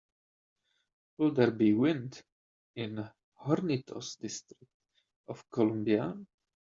Will there be wind in Hornitos District Of Columbia?